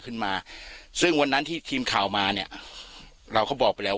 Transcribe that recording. ขึ้นมาซึ่งวันนั้นที่ทีมข่าวมาเนี่ยเราก็บอกไปแล้ว